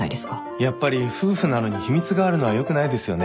やっぱり夫婦なのに秘密があるのはよくないですよね。